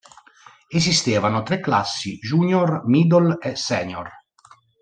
Esistevano tre classi, junior, middle e senior.